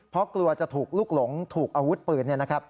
เพราะกลัวจะถูกลุกหลงถูกอาวุธปืน